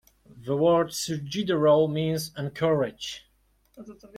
The word "surgidero" means "anchorage".